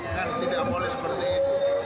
kan tidak boleh seperti itu